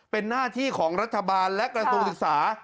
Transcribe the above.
เป็นหน้าที่ของรัฐบาลและกระทรวงศึกษา